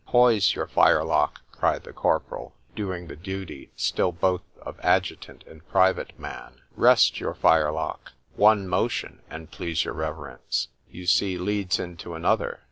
— "Poise your firelock," cried the corporal, doing the duty still both of adjutant and private man. "Rest your firelock;"—one motion, an' please your reverence, you see leads into another.